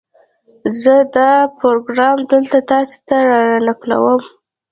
زه دا پاراګراف دلته تاسې ته را نقلوم